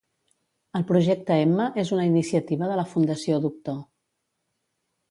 El Projecte Emma és una iniciativa de la Fundació doctor.